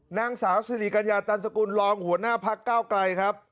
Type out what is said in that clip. นางสาวสิริกัญญาตันสกุลรองหัวหน้าพักเก้าไกลครับ